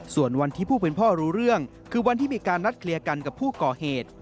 ส่วนวันที่ผู้เป็นพ่อรู้เรื่องคือวันที่มีการนัดเคลียร์กันกับผู้ก่อเหตุ